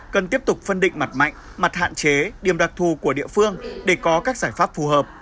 cần tiếp tục phân định mặt mạnh mặt hạn chế điểm đặc thù của địa phương để có các giải pháp phù hợp